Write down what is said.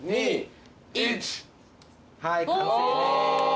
はい完成です。